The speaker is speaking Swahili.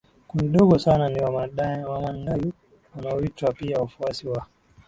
Kundi dogo sana ni Wamandayo wanaoitwa pia wafuasi wa